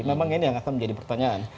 memang ini yang akan menjadi pertanyaan